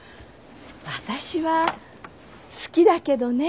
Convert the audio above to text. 私は好きだけどね